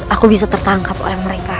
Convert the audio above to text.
aku bisa tertangkap oleh mereka